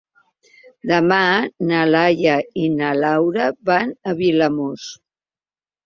Demà na Laia i na Laura van a Vilamòs.